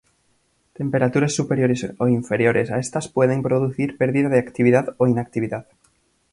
Temperaturas superiores o inferiores a estas pueden producir perdida de actividad o inactividad.